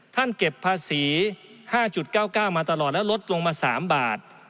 เก็บภาษี๕๙๙มาตลอดแล้วลดลงมา๓บาท